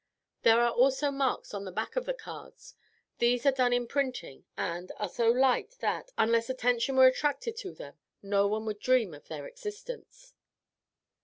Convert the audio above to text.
There are also marks on the back of the cards; these are done in the printing, and are so slight that, unless attention were attracted to them, no one would dream of their existence."